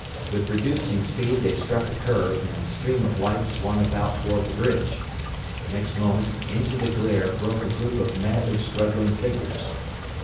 With reducing speed they struck a curve, and the stream of light swung about toward the bridge. The next moment into the glare broke a group of madly struggling figures.